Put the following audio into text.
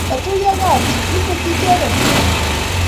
Katuiyo kapchi, imuti icheget chomyet